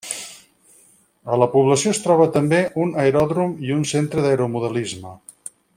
A la població es troba també un aeròdrom i un centre d'aeromodelisme.